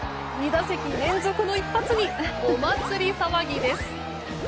２打席連続の一発にお祭り騒ぎです。